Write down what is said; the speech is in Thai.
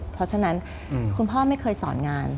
เพราะฉะนั้นคุณพ่อไม่เคยสอนงาน